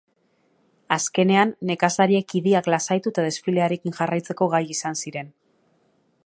Azkenean, nekazariek idiak lasaitu eta desfilearekin jarraitzeko gai izan ziren.